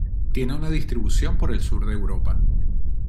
Tiene una distribución por el sur de Europa.